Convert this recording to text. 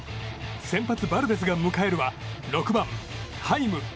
先発、バルデスが迎えるは６番、ハイム。